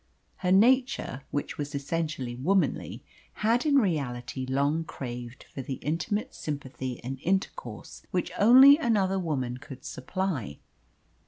Her nature, which was essentially womanly, had in reality long craved for the intimate sympathy and intercourse which only another woman could supply.